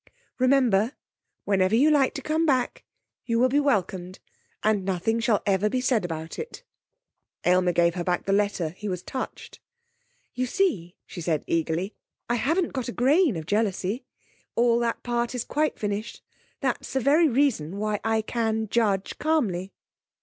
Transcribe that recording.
'Remember, whenever you like to come back, you will be welcomed, and nothing shall ever be said about it.' Aylmer gave her back the letter. He was touched. 'You see,' she said eagerly, 'I haven't got a grain of jealousy. All that part is quite finished. That's the very reason why I can judge calmly.'